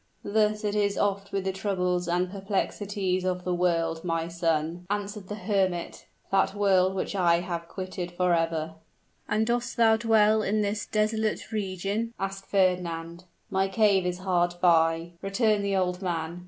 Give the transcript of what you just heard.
"Thus it is oft with the troubles and perplexities of the world, my son," answered the hermit, "that world which I have quitted forever." "And dost thou dwell in this desolate region?" asked Fernand. "My cave is hard by," returned the old man.